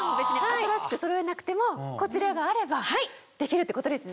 新しくそろえなくてもこちらがあればできるってことですね。